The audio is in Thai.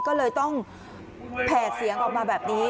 ก็เลยต้องแผ่เสียงออกมาแบบนี้